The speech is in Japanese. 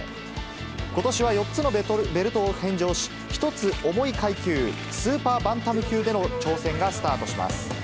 ことしは４つのベルトを返上し、１つ重い階級、スーパーバンタム級での挑戦がスタートします。